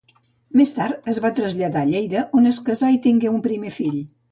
Més tard es va traslladar a Lleida on es casà i tingué un primer fill.